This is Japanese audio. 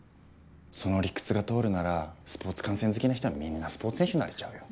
その理屈が通るならスポーツ観戦好きな人はみんなスポーツ選手になれちゃうよ。